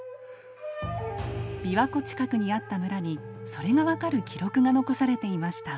びわ湖近くにあった村にそれが分かる記録が残されていました。